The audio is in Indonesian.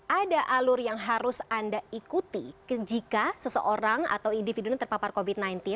ada alur yang harus anda ikuti jika seseorang atau individunya terpapar covid sembilan belas